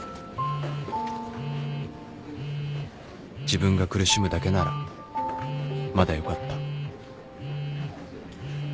自分が苦しむだけならまだよかった